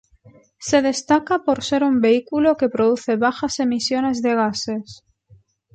Se destaca por ser un vehículo que produce bajas emisiones de gases.